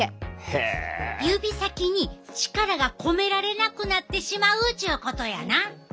指先に力が込められなくなってしまうちゅうことやな！